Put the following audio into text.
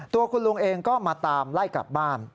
ตัวคุณลุงเองก็มาตามไล่กลับบ้าน